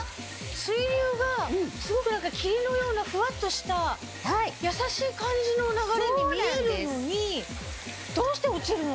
水流がすごく霧のようなふわっとした優しい感じの流れに見えるのにどうして落ちるの？